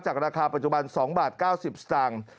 ราคาปัจจุบัน๒บาท๙๐สตางค์